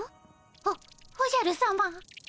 おおじゃるさま。